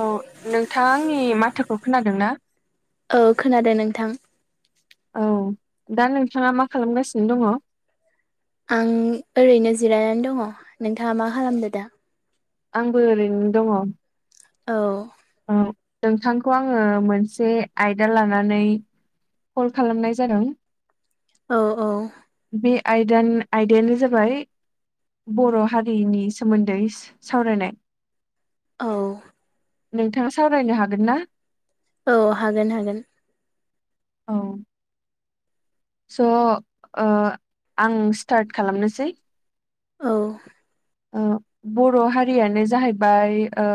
औ नोंथाङा आंनि माथोखौ खोनादों ना? औ खोनादों नोंथां। औ दा नोंथाङा मा खालामगासिनो दङ? आं ओरैनो जिरायनानै दङ नोंथाङा मा खालामदो दा? आंबो ओरैनो दङ। औ। औ नोंथांखौ आङो मोनसे आयदा लानानै कल खालामनाय जादों। औ औ। बे आयदानि आयदायानो जाबाय बर' हारिनि सोमोन्दै सावरायनाय। औ। नोंथाङा सावरायनो हागोन ना? औ हागोन हागोन। औ। स' ओ आं स्टार्ट खालामनोसै। औ। ओ बर' हारियानो जाहैबाय ओ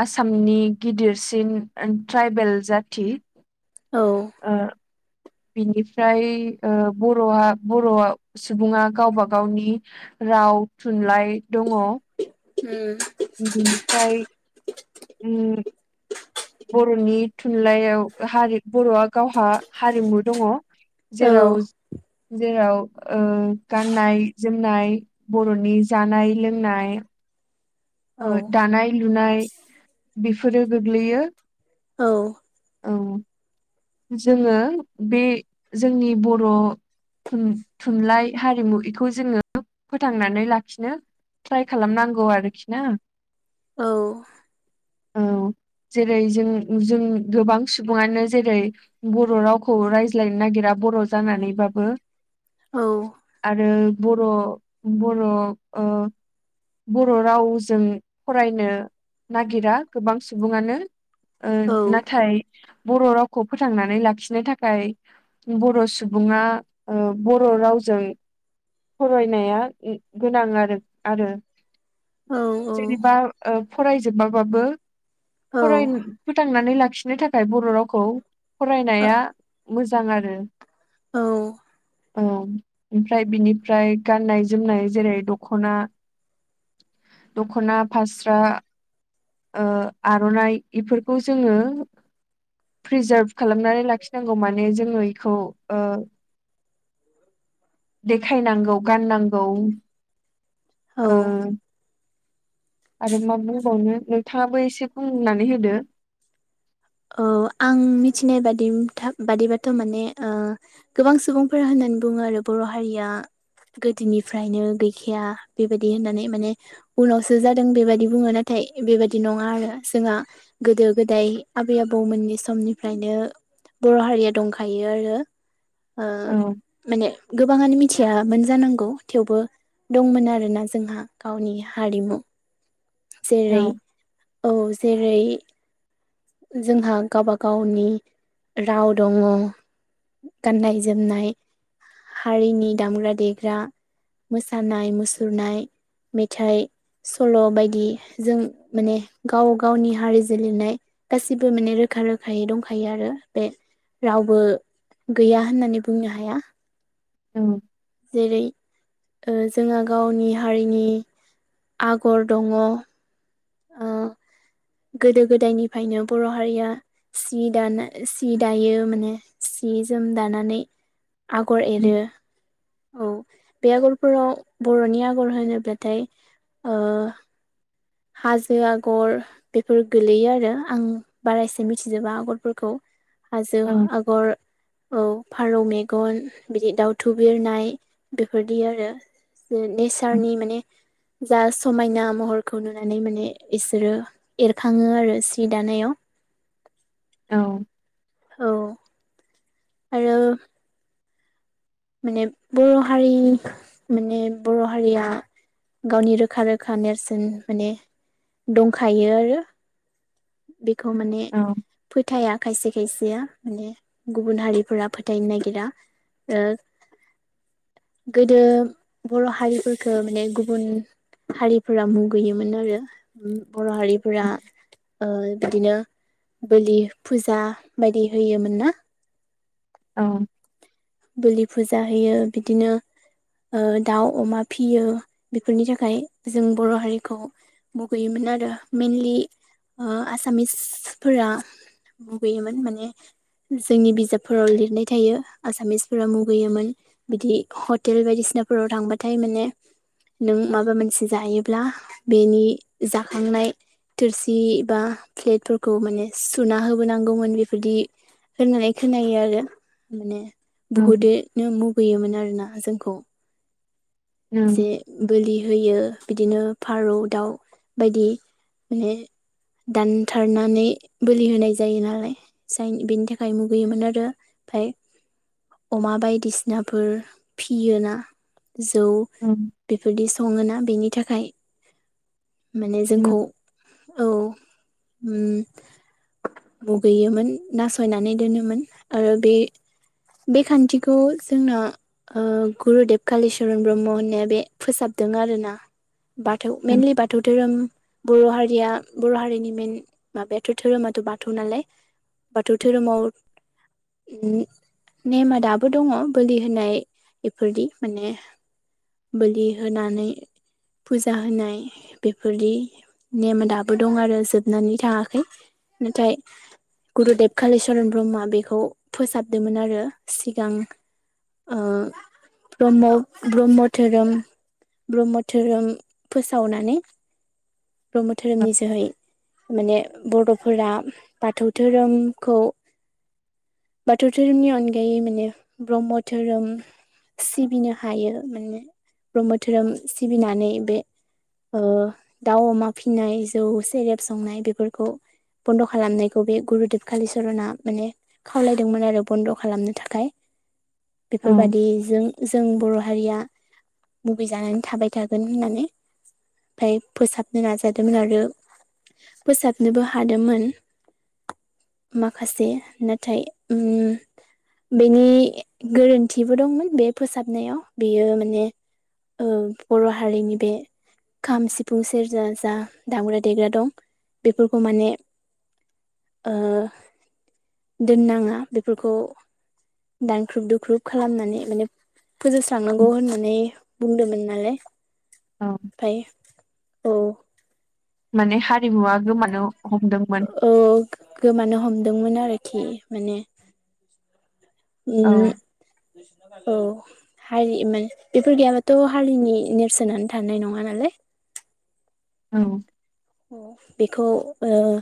आसामनि गिदिरसिन ट्राइबेल जाथि औ। ओ। बिनिफ्राय ओ बर'आ बर'आ सुबुङा गावबा गावनि राव थुनलाइ दङ। उम। बिनिफ्राय उम। बर'नि थुनलाइयाव हारि बर'आ गावहा हारिमु दङ औ जेराव जेराव गाननाय जोमनाय बर'नि जानाय लोंनाय औ दानाय लुनाय बेफोरो गोग्लैयो। औ औ जोङो बे जोंनि बर' थु-थुनलाइ हारिमु एखौ जोङो फोथांनानै लाखिनो ट्राइ खालामनांगौ आरोखि ना। औ औ जेरै जों जों गोबां सुबुङानो जेरै बर' रावखौ रायज्लायनो नागिरा बर' जानानैबाबो औ आरो बर' बर' बर' रावजों फरायनो नागिरा गोबां सुबुङानो। औ नाथाय बर' रावखौ फोथांनानै लाखिनो थाखाय बर' सुबुङा बर' रावजों फरायनाया गोनां आरो आरो। जेनेबा फरायजोबाबाबो फराय फोथांनानै लाखिनो थाखाय बर' रावखौ फरायनाया मोजां आरो औ औ ओमफ्राय बिनिफ्राय गाननाय जोमनाय जेरै दख'ना दख'ना फास्रा, ओ आर'नाइ इफोरखौ जोङो प्रिजार्भ खालामनानै लाखिनांगौ माने जोङो इखौ। देखायनांगौ गाननांगौ औ आरो मा बुंबावनो नोंथाङाबो एसे बुंनानै होदो। औ आं मिथिनाय बादि था बादिबाथ' माने आ गोबां सुबुंफोरा होननानै बुङो आरो बर' हारिया गोदोनिफ्रायनो गैखाया बेबायदि होननानै माने उनावसो जादों बेबायादि बुङो नाथाय बेबायदि नङा आरो जोंहा गोदो गोदाय आबै आबौमोननि समनिफ्रायनो बर' हारिया दंखायो आरो। ओ औ माने गोबाङानो मिथियामोन जानांगौ थेवबो दंमोन आरोना जोंहा गावनि हारिमु। औ जेरै औ जेरै जोंहा गावबा गावनि राव दङ गाननाय जोमनाय हारिनि दामग्रा देग्रा, मोसानाय मुसुरनाय, मेथाइ सल' बायदि जों माने गाव गावनि हारिजों लिरनाय गासिबो माने रोखा रोखायै दंखायो आरो बे। रावबो गैया होननानै बुंनो हाया। औ जेरै ओ जोंहा गावनि हारिनि आगर दङ [inaudible] गोदो गोदायनिफ्रायनो बर' हारिया सि दाना सि दायो माने सि जोम दानानै आगर एरो। औ बे आगरफोराव बर'नि आगर होनोब्लाथाय ओ हाजो आगर बेफोर गोलैयो आरो आं बारा एसे मिथिजोबा आगरफोरखौ। हाजो औ आगर औ फारौ मेगन, बिदि दाउथु बिरनाय, बेफोरदि आरो औ नेचारनि माने जा समायना महर खौ नुनानै माने इसोरो एरखाङो आरो सि दानायाव औ। औ। आरो माने बर' हारि माने बर' हारिया गावनि रोखा रोखा नेरसोन माने दंखायो आरो बेखौ माने औ फोथाया खायसे खायसेया माने गुबुन हारिफोरा फोथायनो नागिरा ओ गोदो बर' हारिफोरखौ माने गुबुन हारिफोरा मुगैयोमोन आरो बर' हारिफोरा औ ओ बिदिनो बोलि फुजा बायदि होयोमोन ना औ। बोलि फुजा होयो। बिदिनो ओ दाउ अमा फियो। बेफोरनि थाखाय जों बर' हारिखौ मुगैयोमोन आरो मेइनलि आसामिसफोरा मुगैयोमोन माने जोंनि बिजाबफोराव लिरनाय थायो। आसामिस फोरा मुगैयोमोन बिदि हटेल बायदिसिनाफोराव थांबाथाय माने नों माबा मोनसे जायोब्ला बेनि जाखांनाय थोरसि बा प्लेटफोरखौ माने सुना होबोनांगौमोन। बेफोरदि होननानै खोनायो आरो माने ओं बहुदनो मुगैयोमोन आरोना जोंखौ। ओं जे बोलि होयो बिदिनो फारौ दाउ बायदि माने दानथारनानै बोलि होनाय जायो नालाय जाय बेनि थाखाय मुगैयोमोन आरो। ओमफाय अमा बायदिसिनाफोर फियोना जौ [unintelligible] बेफोरदि सङोना बेनि थाखाय माने ओं जोंखौ औ ओ। मुगैयोमोन नासयनानै दोनोमोन आरो बे बे खान्थिखौ जोंना गुरुदेब कालिचरन ब्रह्म होन बे फोसाबदों आरोना। बाथौ ओं मेइनलि बाथौ बाथौ धोरोम बर' हारिया बर' हारिनि मेइन माबायाथ' धोरोमाथ' बाथौ नालाय बाथौ धोरोमाव नेमा दाबो दङ बोलि होनाय बेफोरदि माने बोलि होनानै फुजा होनाय बेफोरदि नेम दाबो दं आरो जोबनानै थाङाखै। नाथाय गुरुदेब कालिचरन ब्रह्मया बेखौ फोसाबदोंमोन आरो सिगां ओ ब्रह्म ब्रह्म धोरोम ब्रह्म धोरोम फोसावनानै ब्रह्म औ धोरोमनि जोहै माने बर'फोरा बाथौ धोरोमखौ बाथौ धोरोमनि अनगायै माने ब्रह्म धोरोम सिबिनो हायो माने ब्रह्म धोरोम सिबिनानै बे दाउ अमा फिनाय जौ सेरेब संनाय बेफोरखौ बन्द' खालामनायखौ बे गुरुदेब कालिचरना माने खावलायदोंमोन आरो बन्द' खालामनो थाखाय। औ बेफोरबादि जों जों बर' हारिया मुगै जानानै थाबाय थागोन होननानै ओमफ्राय फोसाबनो नाजादोंमोन आरो फोसाबनोबो हादोंमोन। माखासे नाथाय ओ बेनि गोरोन्थिबो दंमोन बे फोसाबनायाव बियो माने ओ बर' हारिनि बे खाम, सिफुं, सेरजा जा दामग्रा देग्रा दं बेफोरखौ माने ओ दोननाङा बेफोरखौ दानख्रुब दुख्रुब खालामनानै माने फोजोबस्रांनांगौ उम, होननानै बुंदोंमोन नालाय औ ओमफाय औ माने हारिमुवा गोमानो हमदोंमोन। औ गोमानो हमदोंमोन आरोखि माने। औ उम औ हारि माने बेफोर गैयाबाथ' हारिनि नेरसोनानो थानाय नङा नालाय। औ बेखौ ओ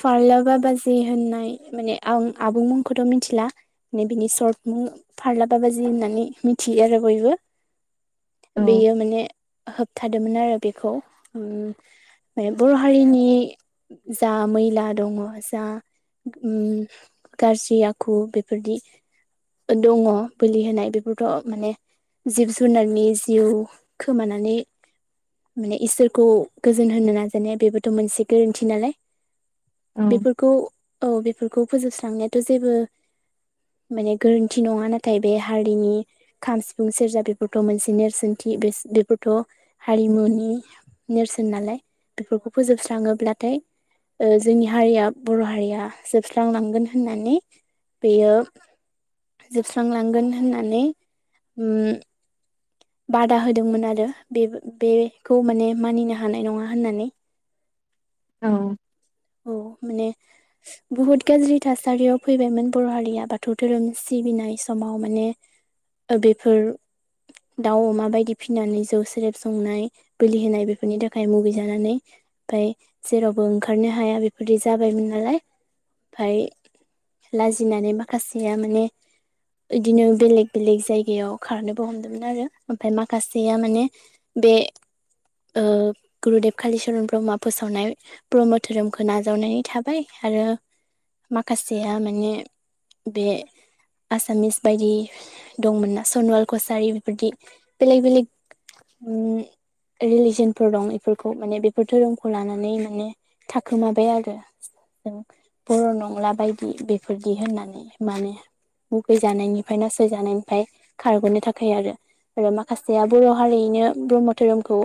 फार्ला बाबाजि होननाय माने आ-आबुं मुंखौथ' मिथिला। माने बिनि सर्ट मुं फारला बाबाजि होननानै मिथियो आरो बयबो। औ बेयो माने होबथादोंमोन आरो बेखौ। बर' हारिनि जा मैला दङ जा गाज्रि आखु बेफोरदि दङ बोलि होनाय बेफोरथ' माने जिब जुनारनि जिउ खोमानानै माने इसोरखौ गोजोन होनो नाज माने बेबोथ' मोनसे गोरोन्थि नालाय औ बेफोरखौ औ बेफोरखौ फोजोबस्रांनायाथ' जेबो माने गोरोन्थि नङा नाथाय बे हारिनि खाम सिफुं सेरजा बेफोरथ' मोनसे नेरसोनथि बेफोरथ' हारिमुनि नेरसोन नालाय बेफोरखौ फोजोबस्राङोब्लाथाय ओ जोंनि हारिया बर' हारिया जोबस्रांलांगोन होननानै बेयो जोबस्रांलांगोन होननानै ओ बादा होदोंमोन आरो बे-बेखौ माने मानिनो हानाय नङा होननानै। औ औ माने बुहुत गाज्रि थासारियाव फैबायमोन बर' हारिया बाथौ धोरोम सिबिनाय समाव माने ओ बेफोर दाउ अमा बायदि फिनानै जौ सेरेब संनाय बोलि होनाय बेफोरनि थाखाय मुगैजानानै ओमफ्राय जेरावबो ओंखारनो हाया बेफोरदि जाबायमोन नालाय ओमफ्राय लाजिनानै माखासेया माने इदिनो बेलेग बेलेग जायगायाव खारनोबो हम आरो ओमफ्राय माखासेया माने बे ओ गुरुदेब कालिचरन ब्रह्मआ फोसावनाय ब्रह्म धोरोमखौ नाजावनानै थाबाय आरो माखासेया माने बे आसामिस बायदि दंमोन ना सनवाल कसारि बेफोरदि बेलेग बेलेक उम रिलिजनफोर दं एफोरखौ माने बेफोर धोरोमखौ लानानै माने थाखोमाबाय आरो। जों बर' नंला बायदि बेफोरदि होननानै माने मुगै जानायनिफ्राय नासय जानायनिफ्राय खारग'नो थाखाय आरो। आरो माखासेया बर' हारियैनो ब्रह्म धोरोमखौ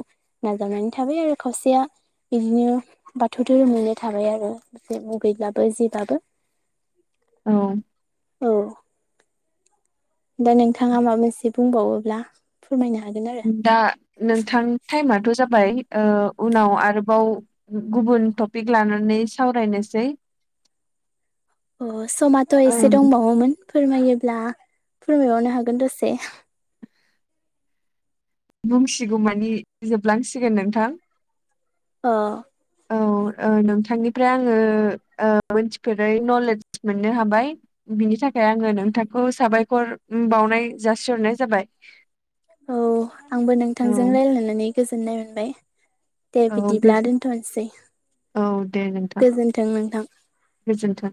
नाजावनानै थाबाय आरो खावसेया। बिदिनो बाथौ धोरोमैनो थाबाय आरो मुगैब्लाबो जिब्लाबो। औ औ दा नोंथाङा माबा मोनसे बुंबावो ब्ला फोरमायनो हागोन आरो। दा नोंथां टाइमाथ' जाबाय उनाव आरोबाव गुबुन टपिक लानानै सावरायनोसै। अह समथ' एसे ओं दंबावोमोन फोरमायोब्ला फोरमायबावनो हागोन दसे। बुंसिगौ मानि जोबलांसिगोन नोंथां। अह। औ नोंथांनिफ्राय आङो मोनथिफेरै नलेदज मोननो हाबाय। बिनि थाखाय आङो नोंथांखौ साबायखर बावनाय जासिहरनाय जाबाय। औ आंबो नोंथांजों औ रायलायनानै गोजोननाय मोनबाय। दे औ बिदिब्ला गोज दोनथ'नोसै औ दे नोंथां गोजोनथों नोंथां। गोजोन्थों।